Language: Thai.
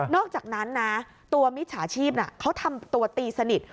อกจากนั้นนะตัวมิจฉาชีพเขาทำตัวตีสนิท